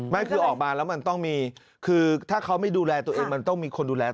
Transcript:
ไม่คือออกมาแล้วมันต้องมีคือถ้าเขาไม่ดูแลตัวเองมันต้องมีคนดูแล